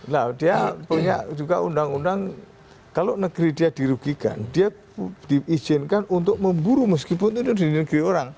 nah dia punya juga undang undang kalau negeri dia dirugikan dia diizinkan untuk memburu meskipun itu di negeri orang